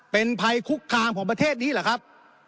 เป็นภัยคุกคามของประเทศนี้เหรอครับ